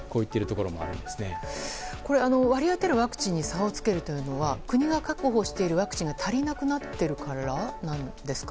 これ割り当てるワクチンに差をつけるというのは国が確保しているワクチンが足りなくなっているからなんですか？